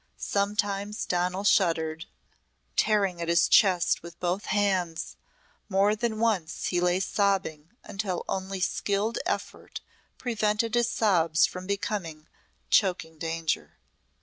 Sometimes Donal shuddered, tearing at his chest with both hands, more than once he lay sobbing until only skilled effort prevented his sobs from becoming choking danger.